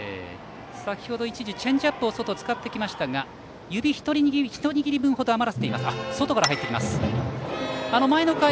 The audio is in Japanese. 先程は一時チェンジアップを外、使ってきましたが指一握り分ほど余らせています。